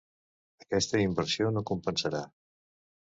Aquesta inversió no compensarà.